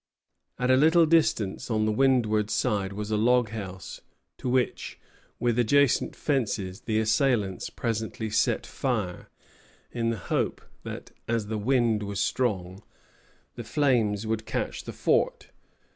At a little distance on the windward side was a log house, to which, with adjacent fences, the assailants presently set fire, in the hope that, as the wind was strong, the flames would catch the fort.